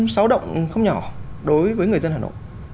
xáo động không nhỏ đối với người dân hà nội